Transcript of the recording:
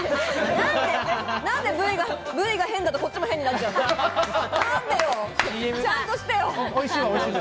なんでＶが変だと、こっちも変になっちゃうの？